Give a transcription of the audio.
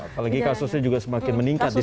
apalagi kasusnya juga semakin meningkat di sana